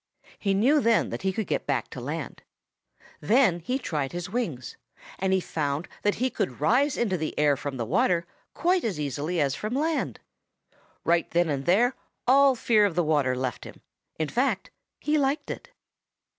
He knew then that he could get back to land. Then he tried his wings and he found that he could rise into the air from the water quite as easily as from the land. Right then and there all fear of the water left him. In fact, he liked it.